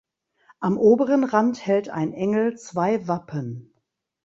Am oberen Rand hält ein Engel zwei Wappen.